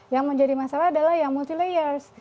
yang menjadi masalah adalah yang multi layers